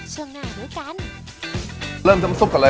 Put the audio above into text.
เริ่มซ้ำซุปก่อนเลยลูกครับ